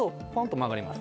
曲がります。